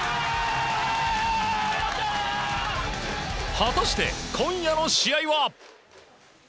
果たして、今夜の試合は？